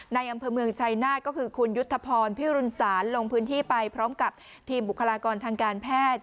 ในอำเภอเมืองชัยนาธก็คือคุณยุทธพรพิรุณศาลลงพื้นที่ไปพร้อมกับทีมบุคลากรทางการแพทย์